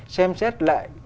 xem xét lại